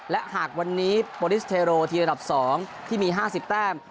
และหากวันนี้โปรดิสเทโรทีระดับ๒ที่มี๕๐แต้ม